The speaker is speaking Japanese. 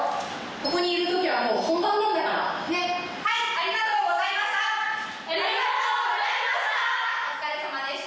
はい！